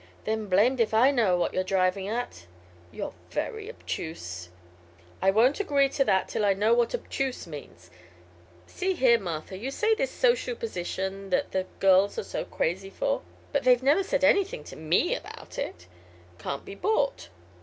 "Then blamed if I know what you're driving at." "You're very obtuse." "I won't agree to that till I know what 'obtuse' means. See here, Martha; you say this social position, that the girls are so crazy for but they've never said anything to me about it can't be bought.